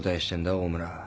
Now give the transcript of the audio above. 大村。